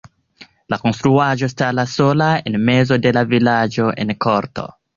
La konstruaĵo staras sola en mezo de la vilaĝo en korto.